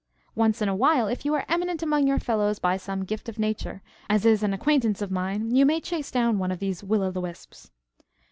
Once in a while, if you are eminent among your fellows by some gift of nature, as is an acquaintance of mine, you may chase down one of these will o' the wisps.